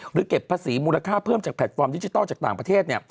เก็บภาษีมูลค่าเพิ่มจากแพลตฟอร์มดิจิทัลจากต่างประเทศ